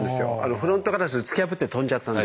フロントガラス突き破って飛んじゃったんで。